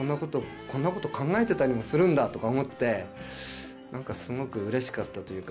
こんなこと考えてたりもするんだとか思って何かすごくうれしかったというか。